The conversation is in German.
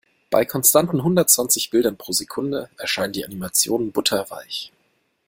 Bei konstanten hundertzwanzig Bildern pro Sekunde erscheinen die Animationen butterweich.